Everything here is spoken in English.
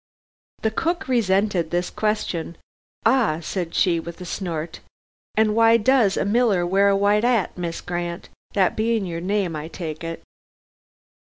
The cook resented this question. "Ah!" said she with a snort, "and why does a miller wear a white 'at, Miss Grant, that being your name I take it.